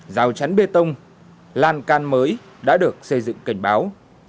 rào chắn bê tông lan can mới đã được xây dựng cảnh báo